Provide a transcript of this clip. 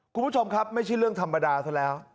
คุณผู้ชมครับไม่ใช่เรื่องธรรมดาซะแล้ว